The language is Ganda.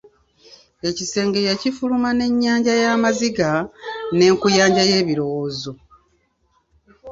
Ekisenge yakifuluma n’ennyanja y’amaziga, n’enkuyanja y’ebirowoozo.